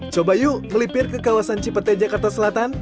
coba yuk melipir ke kawasan cipete jakarta selatan